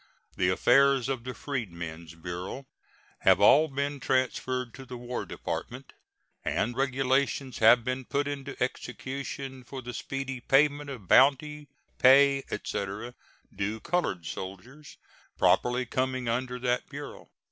The affairs of the Freedmen's Bureau have all been transferred to the War Department, and regulations have been put into execution for the speedy payment of bounty, pay, etc., due colored soldiers, properly coming under that Bureau.